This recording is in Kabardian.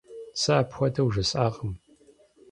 Сэ апхуэдэу жысӀакъым.